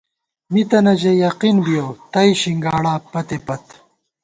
مِتَنہ ژَئی یقین بِیَؤ ، تئ شِنگاڑا پتے پت